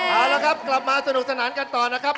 เอาละครับกลับมาสนุกสนานกันต่อนะครับ